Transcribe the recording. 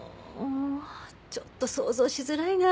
ちょっと想像しづらいな。